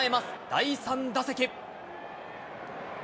第３打席。